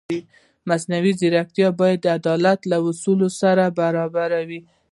مصنوعي ځیرکتیا باید د عدالت له اصولو سره برابره وي.